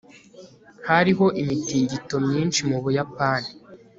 hariho imitingito myinshi mu buyapani